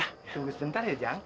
tunggu sebentar ya jang